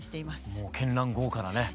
もう絢爛豪華なね